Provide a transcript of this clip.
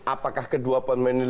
apakah kedua pemain